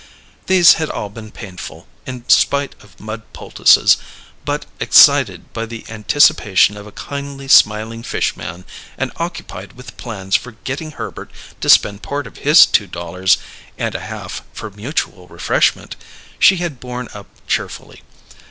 These had all been painful, in spite of mud poultices, but, excited by the anticipation of a kindly smiling fish man, and occupied with plans for getting Herbert to spend part of his two dollars and a half for mutual refreshment, she had borne up cheerfully.